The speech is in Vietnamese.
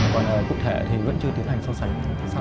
còn cụ thể thì vẫn chưa tiến hành so sánh sao